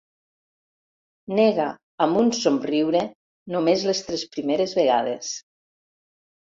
Nega amb un somriure només les tres primeres vegades.